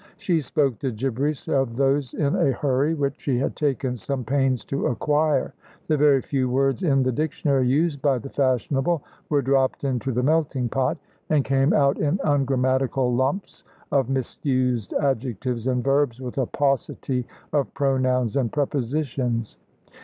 She spoke the gibberish of those in a hurry, which she had taken some pains to acquire. The very few words in the dictionary used by the fashionable were dropped into the melting pot, and came out in ungrammatical lumps of misused adjectives and verbs with a paucity of pronouns and prepositions.